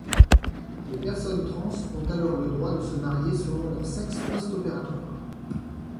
Les personnes trans ont alors le droit de se marier selon leur sexe postopératoire.